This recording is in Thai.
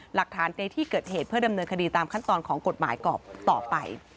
หลักฐานในที่เกิดเหตุเพื่อดำเนินคดีตามขั้นตอนของกฎหมายกรอบต่อไป